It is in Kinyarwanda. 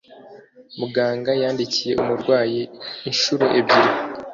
muganga yandikiye umurwayi inshuro ebyiri